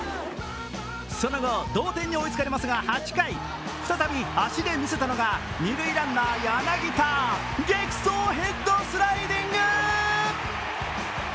その後、同点に追いつかれますが８回、再び足で見せたのが２塁ランナー柳田、激走ヘッドスライディング！